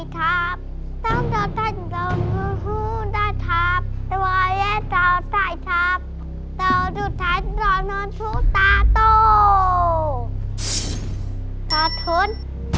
ตาถุ้น